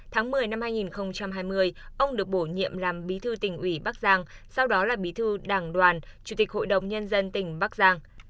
tháng một mươi năm hai nghìn hai mươi ông được bổ nhiệm làm bí thư tỉnh ủy bắc giang sau đó là bí thư đảng đoàn chủ tịch hội đồng nhân dân tỉnh bắc giang